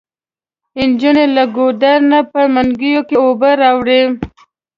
انجونې له ګودر نه په منګيو کې اوبه راوړي.